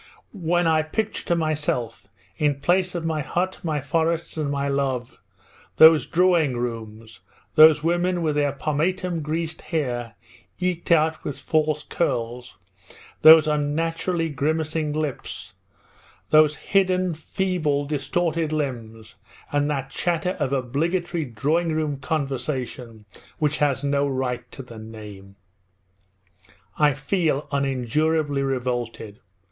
When I picture to myself in place of my hut, my forests, and my love those drawing rooms, those women with their pomatum greased hair eked out with false curls, those unnaturally grimacing lips, those hidden, feeble, distorted limbs, and that chatter of obligatory drawing room conversation which has no right to the name I feel unendurably revolted.